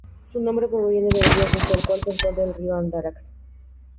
Su nombre proviene del río junto al cual se encuentra, el río Andarax.